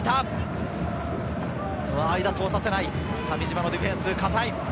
間を通させない上島のディフェンス。